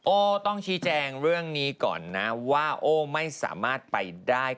โอ้ต้องชี้แจงเรื่องนี้ก่อนนะว่าโอ้ไม่สามารถไปได้